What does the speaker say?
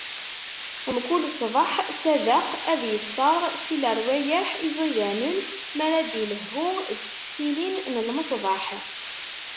Mkul ṣṣbeḥ Sadeq ad isserɣ si lerwayeḥ iẓidanen, mi ara d-ilehhu d teftilin n lmeṣbaḥ.